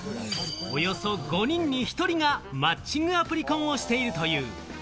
およそ５人に１人がマッチングアプリ婚をしているという。